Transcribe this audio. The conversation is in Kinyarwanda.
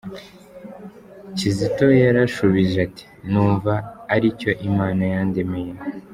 Kizito yarashubije ati “Numva aricyo Imana yandemeye.”